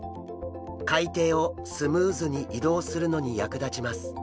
海底をスムーズに移動するのに役立ちます。